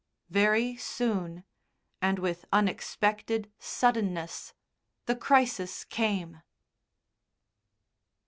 Very soon, and with unexpected suddenness, the crisis came.